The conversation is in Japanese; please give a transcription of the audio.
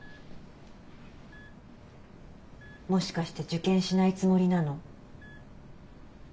もしかして受験しないつもりなの？